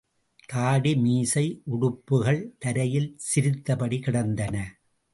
தாடி மீசை, உடுப்புகள் தரையில் சிரித்தபடி கிடந்தன.